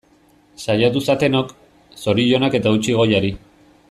Saiatu zatenok, zorionak eta eutsi goiari!